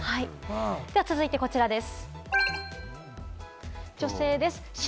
続いてこちらです。